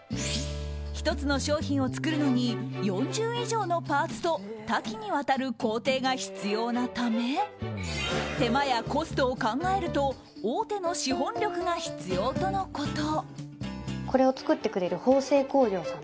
１つの商品を作るのに４０以上のパーツと多岐にわたる工程が必要なため手間やコストを考えると大手の資本力が必要とのこと。